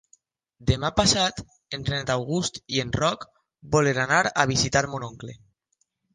Demà passat en Renat August i en Roc volen anar a visitar mon oncle.